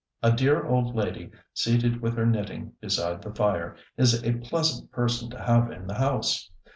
A dear old lady seated with her knitting beside the fire, is a pleasant person to have in the house.